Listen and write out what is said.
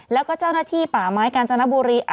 แล้วก็เจ้าหน้าที่ป่าไม้กาญจนบุรี